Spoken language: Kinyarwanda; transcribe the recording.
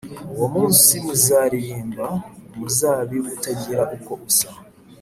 Uwo munsi, muzaririmba umuzabibu utagira uko usa: